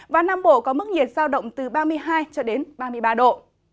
và nam bộ có mức nhiệt giao động từ ba mươi hai ba mươi ba độ